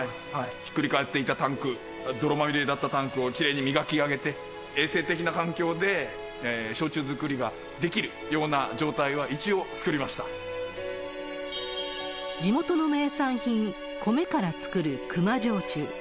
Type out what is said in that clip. ひっくり返っていたタンク、泥まみれになったタンクをきれいに磨き上げて、衛生的な環境で焼酎造りができるような状態は、地元の名産品、米から造る球磨焼酎。